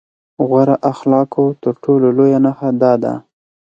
غوره اخلاقو تر ټولو لويه نښه دا ده.